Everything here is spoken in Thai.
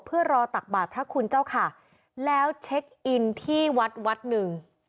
เพื่อรอตักบาทพระคุณเจ้าค่ะแล้วเช็คอินที่วัดวัดหนึ่ง